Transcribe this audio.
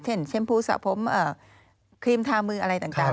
เช่นเช่นพูดสะพร้อมครีมทามืออะไรต่าง